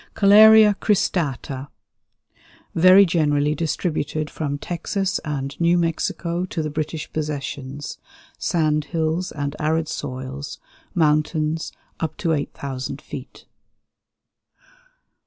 Koeleria cristata. Very generally distributed from Texas and New Mexico to the British Possessions; sand hills and arid soils; mountains, up to 8,000 feet.